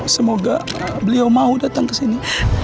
semoga beliau mau datang kesini